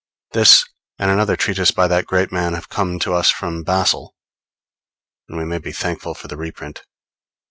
This and another treatise by that great man have come to us from Basle, and we may be thankful for the reprint.